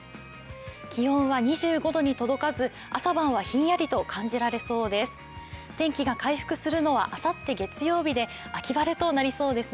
気温は２５度に届かず、朝晩はひんやりと感じられそうです。